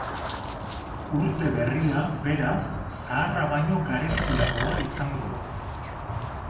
Urte berria, beraz, zaharra baino garestiagoa izango da.